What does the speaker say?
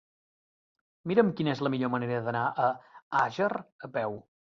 Mira'm quina és la millor manera d'anar a Àger a peu.